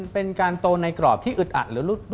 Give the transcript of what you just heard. เป็นการโตในกรอบที่อึดอัดหรือ